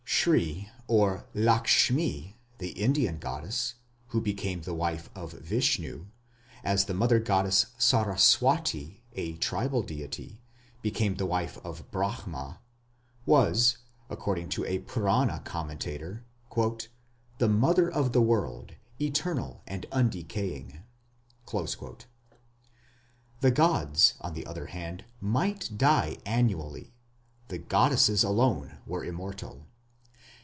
Sri or Lakshmi, the Indian goddess, who became the wife of Vishnu, as the mother goddess Saraswati, a tribal deity, became the wife of Brahma, was, according to a Purana commentator, "the mother of the world ... eternal and undecaying". The gods, on the other hand, might die annually: the goddesses alone were immortal.